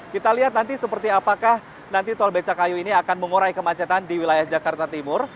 kita lihat nanti seperti apakah nanti tol becakayu ini akan mengurai kemacetan di wilayah jakarta timur